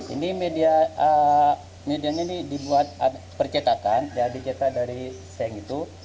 ini medianya dibuat percetakan di cetak dari seng itu